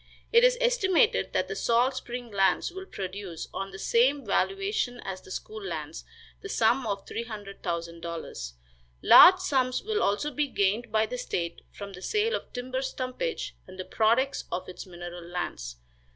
It is estimated that the salt spring lands will produce, on the same valuation as the school lands, the sum of $300,000. Large sums will also be gained by the state from the sale of timber stumpage, and the products of its mineral lands.